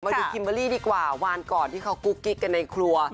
ดูคิมเบอร์รี่ดีกว่าวานก่อนที่เขากุ๊กกิ๊กกันในครัว